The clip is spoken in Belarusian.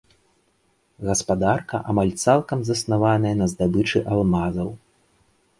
Гаспадарка амаль цалкам заснаваная на здабычы алмазаў.